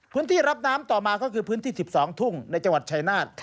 พื้นที่รับน้ำต่อมาก็คือพื้นที่๑๒ทุ่งในจังหวัดชายนาฏ